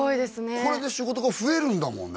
これで仕事が増えるんだもんね